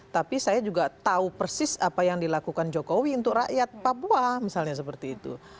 tapi saya juga tahu persis apa yang dilakukan jokowi untuk rakyat papua misalnya seperti itu